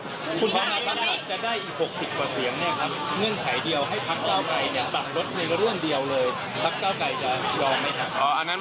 แต่อาจจะต่างกันแค่นั้นเอง